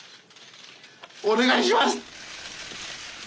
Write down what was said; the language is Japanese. お願いします！